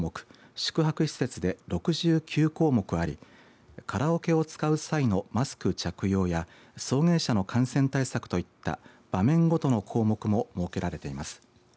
宿泊施設６９項目ありカラオケを使う際のマスク着用や送迎車の感染対策といった場面ごとの項目も設けられています。